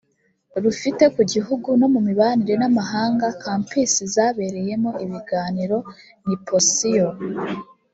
rufite ku gihugu no mu mibanire n amahanga campus zabereyemo ibiganiro ni posiyo